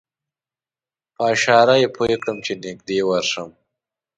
په اشاره یې پوی کړم چې نږدې ورشم.